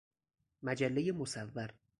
مجله مصور